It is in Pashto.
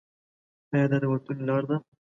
ایا دا د وتلو لار ده؟